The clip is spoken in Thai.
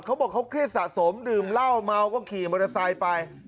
เขาบอกเขาเครียดสะสมดื่มเหล้าเมาก็ขี่มอเตอร์ไซค์ไป